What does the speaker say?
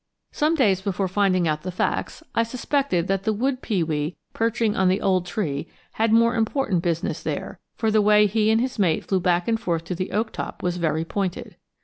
Some days before finding out the facts, I suspected that the wood pewee perching on the old tree had more important business there, for the way he and his mate flew back and forth to the oak top was very pointed.